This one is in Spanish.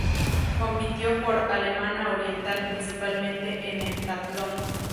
Compitió por alemana oriental, principalmente en heptatlón.